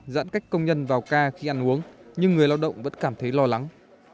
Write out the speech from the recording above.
giãn cách công nhân vào ca khi ăn uống nhưng người lao động vẫn cảm thấy lo lắng